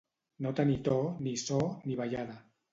No tenir to, ni so, ni ballada.